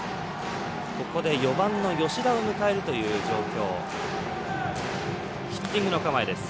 ここで４番の吉田を迎えるという状況。